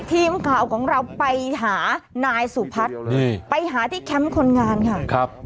ทีมข่าวของเราไปหานายสุพัฒน์ไปหาที่แคมป์คนงานค่ะครับ